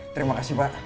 terima kasih pak